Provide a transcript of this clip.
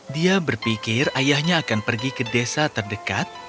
dia berpikir ayahnya akan pergi ke desa terdekat